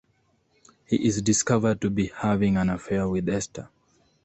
He is discovered to be having an affair with Esther.